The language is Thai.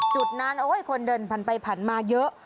จุดนั้นคนเดินผ่านไปผ่านมาเยอะ